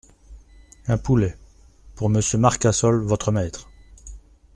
Un poulet… pour Monsieur Marcassol, votre maître !